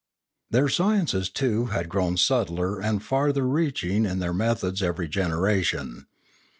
Their sciences too had grown subtler and farther reaching in their methods every generation.